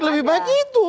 lebih baik itu